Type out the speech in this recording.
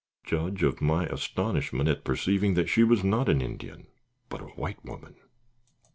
Judge of my astonishment, at perceiving that she was not an Indian but a white woman!